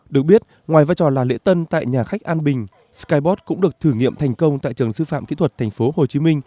được biết ngoài vai trò là lễ tân tại nhà khách an bình skybot cũng được thử nghiệm thành công tại trường sư phạm kỹ thuật tp hcm